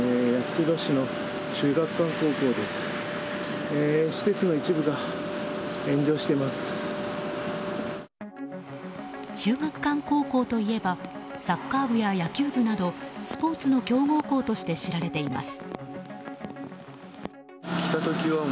秀岳館高校といえばサッカー部や野球部などスポーツの強豪校として知られています。